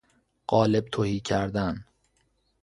قالب تهی کردن